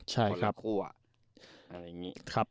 ใช่ครับ